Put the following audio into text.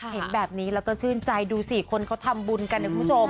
เห็นแบบนี้แล้วก็ชื่นใจดูสิคนเขาทำบุญกันนะคุณผู้ชม